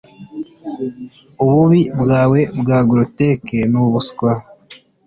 Ububi bwawe bwa groteque nubuswa